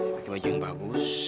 pakai baju yang bagus